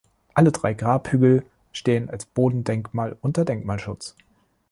Alle drei Grabhügel stehen als Bodendenkmal unter Denkmalschutz.